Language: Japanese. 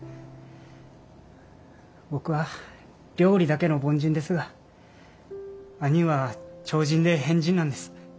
僕は料理だけの凡人ですが兄は超人で変人なんです。